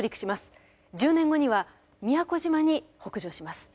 １０年後には宮古島に北上します。